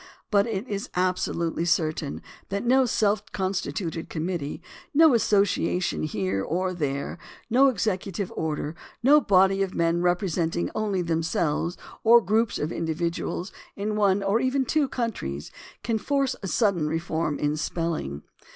But it is absolutely certain that no self constituted committee, no association here or there, no executive order, no body of men representing only themselves or groups of individuals in one or even two countries, can force a sudden reform in spelling.